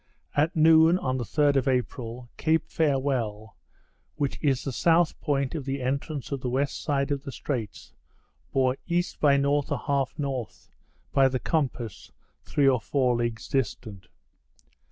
At noon, on the 3rd of April, Cape Farewell, which is the south point of the entrance of the west side of the straits, bore E. by N. 1/2 N. by the compass, three or four leagues distant.